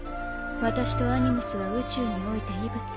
私とアニムスは宇宙において異物